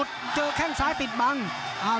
ภูตวรรณสิทธิ์บุญมีน้ำเงิน